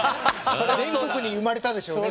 全国に生まれたでしょうね